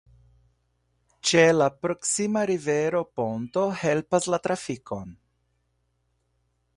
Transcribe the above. Ĉe la proksima rivero ponto helpas la trafikon.